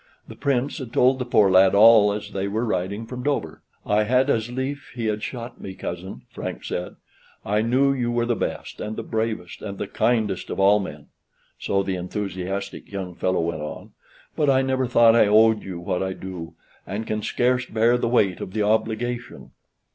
The Prince had told the poor lad all as they were riding from Dover: "I had as lief he had shot me, cousin," Frank said: "I knew you were the best, and the bravest, and the kindest of all men" (so the enthusiastic young fellow went on); "but I never thought I owed you what I do, and can scarce bear the weight of the obligation."